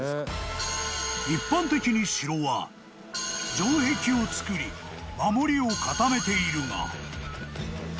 ［一般的に城は城壁を造り守りを固めているが］